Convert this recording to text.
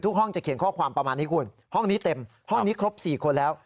ห้องจะเขียนข้อความประมาณนี้คุณห้องนี้เต็มห้องนี้ครบ๔คนแล้ว